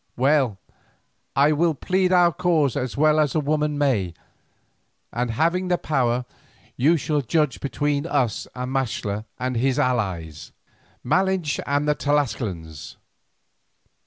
Well, I will plead our cause as well as a woman may, and having the power, you shall judge between us and Maxtla and his allies, Malinche and the Tlascalans.